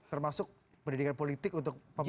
termasuk pendidikan politik untuk pemerintah